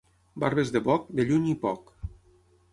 Barbes de boc, de lluny i poc.